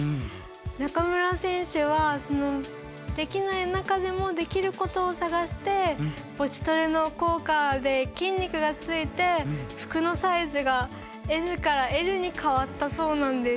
中村選手はできない中でもできることを探してボチトレの効果で筋肉がついて服のサイズがＭからＬに変わったそうなんです。